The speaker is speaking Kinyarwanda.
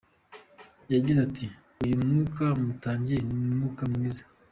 Yagize ati “ Uyu mwuga mutangiye ni umwuga mwiza.